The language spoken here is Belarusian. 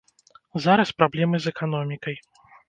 Зараз праблемы з эканомікай.